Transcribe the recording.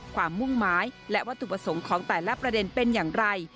มุ่งหมายและวัตถุประสงค์ของแต่ละประเด็นเป็นอย่างไร